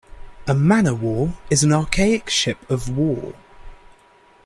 A Man o’ War is an archaic ship of war.